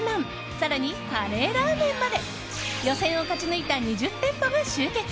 更にカレーラーメンまで予選を勝ち抜いた２０店舗が集結。